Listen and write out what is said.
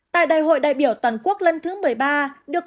tại đại hội đại biểu toàn quốc lần thứ một mươi ba